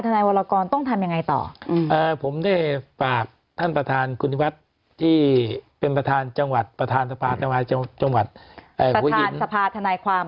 แค่เดือนหนึ่งเดือนหนึ่งเดือนหนึ่งก็ใช้หมดไป